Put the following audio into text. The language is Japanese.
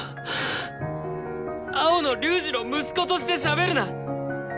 青野龍仁の息子としてしゃべるな。